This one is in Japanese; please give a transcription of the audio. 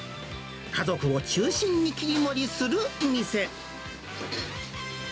家族を中心に切り盛りする店。